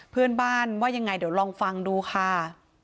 เพื่อนบ้านว่ายังไงเดี๋ยวลองฟังดูค่ะ